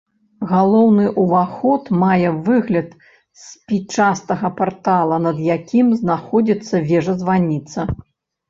Галоўны ўваход мае выгляд спічастага партала, над ім знаходзіцца вежа-званіца.